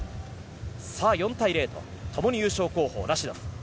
４対０とともに優勝候補ラシドフ。